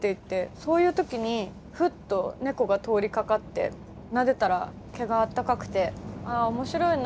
そういう時にふっと猫が通りかかってなでたら毛があったかくて「あ面白いな。